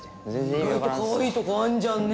意外とかわいいとこあんじゃんね。